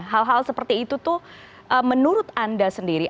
hal hal seperti itu tuh menurut anda sendiri